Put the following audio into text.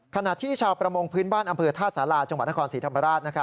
ขณะที่ชาวประมงพื้นบ้านอำเภอท่าสาราจังหวัดนครศรีธรรมราช